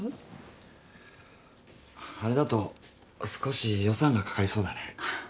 あれだと少し予算が掛かりそうだね。